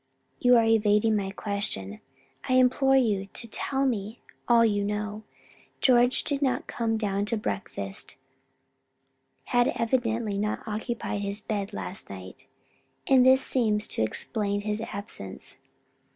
"You are evading my question. I implore you to tell me all you know. George did not come down to breakfast; had evidently not occupied his bed last night, and this seems to explain his absence.